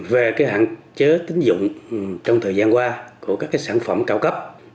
về hạn chế tín dụng trong thời gian qua của các sản phẩm cao cấp